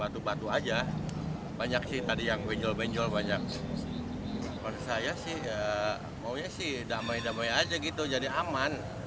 tawaran yang diperlukan adalah tawaran yang diperlukan oleh warga sekitar